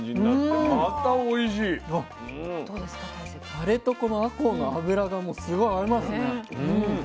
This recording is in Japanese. タレとこのあこうの脂がもうすごい合いますね。